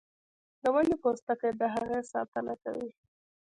د ونې پوستکی د هغې ساتنه کوي